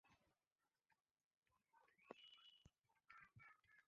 পরবর্তী বছরগুলোতে ভারতের নতুন প্রশাসনের সঙ্গে আমরা নিবিড়ভাবে কাজ করতে আগ্রহী।